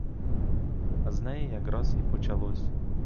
А з неї якраз і почалось.